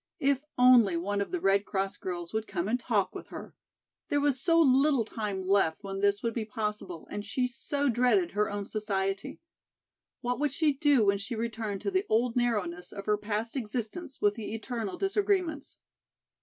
If only one of the Red Cross girls would come and talk with her. There was so little time left when this would be possible and she so dreaded her own society. What would she do when she returned to the old narrowness of her past existence with the eternal disagreements?